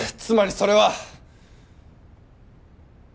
つまりそれは！